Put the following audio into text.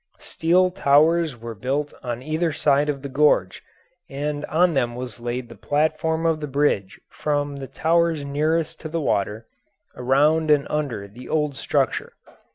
Steel towers were built on either side of the gorge, and on them was laid the platform of the bridge from the towers nearest to the water around and under the old structure.